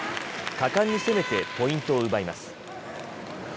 果敢に攻めてポイントを奪います。